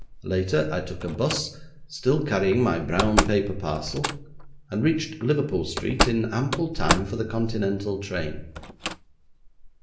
Later I took a bus, still carrying my brown paper parcel, and reached Liverpool Street in ample time for the Continental train.